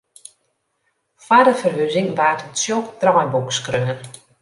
Foar de ferhuzing waard in tsjok draaiboek skreaun.